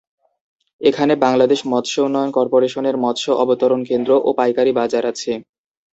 এখানে বাংলাদেশ মৎস্য উন্নয়ন কর্পোরেশনের মৎস্য অবতরণ কেন্দ্র ও পাইকারী বাজার আছে।